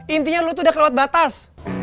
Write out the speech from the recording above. intinya lu tuh udah kelewat batas